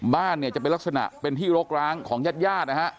บ้านจะเป็นลักษณะเป็นที่โรคร้างของญาตินะฮะ